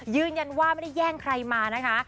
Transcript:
ยืนยันว่าไม่ได้แย่งใครมานะคะ